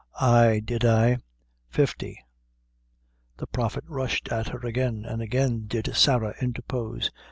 "Ay did I fifty." The Prophet rushed at her again, and again did Sarah interpose.